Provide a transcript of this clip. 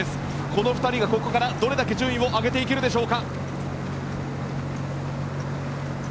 この２人がここからどれだけ順位を上げていけるでしょうか。